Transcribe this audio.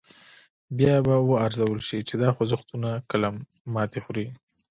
بیا به و ارزول شي چې دا خوځښتونه کله ماتې خوري.